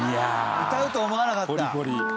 歌うと思わなかった。